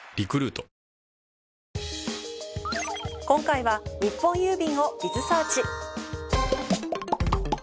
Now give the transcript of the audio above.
今回は日本郵便を。